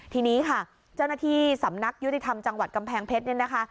ทีนี้ค่ะเจ้าหน้าที่สำนักยุติธรรมจังหวัดกำแพงเพชรเนี่ยนะคะ